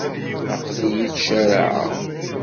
Aql-iyi ttcaraɛeɣ.